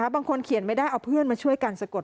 บางคนเขียนไม่ได้เอาเพื่อนมาช่วยกันสะกด